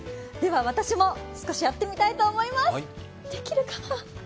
私も少しやってみたいと思います。